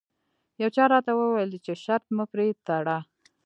یو چا راته وویل چې شرط مه پرې تړه.